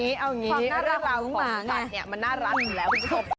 เอาอย่างนี้ภรรยาของหมานานรักอยู่แล้ว